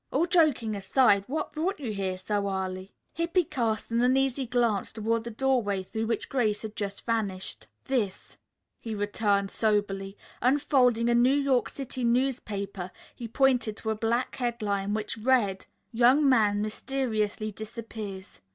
"All joking aside, what brought you here so early?" Hippy cast an uneasy glance toward the doorway through which Grace had just vanished. "This," he returned soberly. Unfolding a New York City newspaper, he pointed to a black headline which read, "Young Man Mysteriously Disappears."